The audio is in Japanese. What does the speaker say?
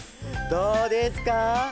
どうですか？